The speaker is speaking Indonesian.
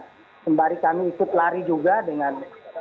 dan kembali kami ikut lari juga dengan